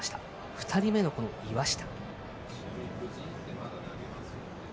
２人目の岩下。